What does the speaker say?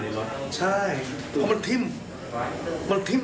เหล็กอยู่ข้างในรถนะครับเหล็กเข้ามาอยู่ในรถเลย